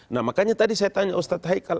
nah makanya tadi saya tanya ustadz haikal